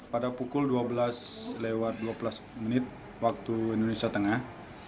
pada pukul dua belas lewat dua belas menit waktu indonesia tengah